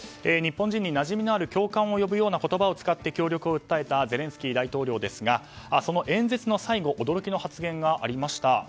日本人になじみのある共感を呼ぶような言葉を使って協力を訴えたゼレンスキー大統領ですがその演説の最後驚きの発言がありました。